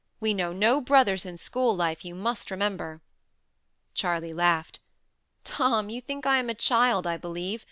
We know no brothers in school life, you must remember." Charley laughed. "Tom, you think I am a child, I believe.